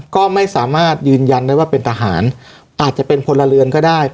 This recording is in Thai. ก็ไม่สามารถยืนยันได้ว่าเป็นทหารอาจจะเป็นพลเรือนก็ได้